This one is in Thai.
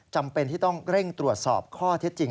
จำเป็นที่ต้องเร่งตรวจสอบข้อเท็จจริง